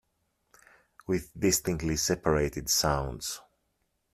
With distinctly separated sounds.